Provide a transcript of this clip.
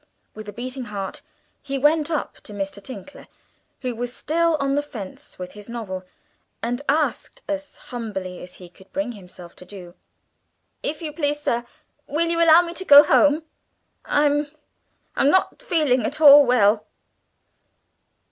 With a beating heart he went up to Mr. Tinkler, who was still on the fence with his novel, and asked as humbly as he could bring himself to do: "If you please, sir, will you allow me to go home? I'm I'm not feeling at all well."